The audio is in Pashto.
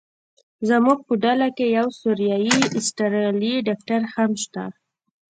زموږ په ډله کې یو سوریایي استرالیایي ډاکټر هم شته.